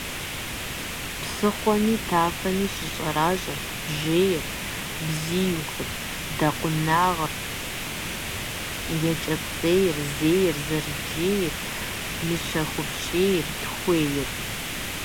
Псыхъуэми тафэми щыщӀэращӀэрт бжейр, бзиихур, дыкъуэнагъыр, екӀэпцӀейр, зейр, зэрыджейр, мыщэхупщейр, тхуейр.